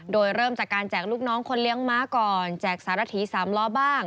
โดยเริ่มจากการแจกลูกน้องคนเลี้ยงม้าก่อน